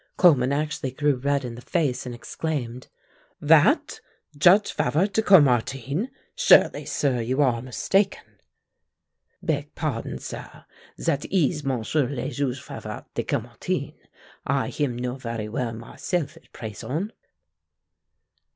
Coleman actually grew red in the face and exclaimed: "That Judge Favart de Caumartin! Surely, sir, you are mistaken." "Beg pahdon, sah, zat ees Monsieur le Juge Favart de Caumartin. I him know varee well myself at prayson."